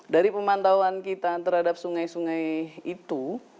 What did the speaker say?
dari pemantauan kita terhadap sungai sungai itu